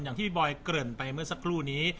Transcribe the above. อย่างที่พี่บอยเกริ่นไปเมื่อสักครู่นี้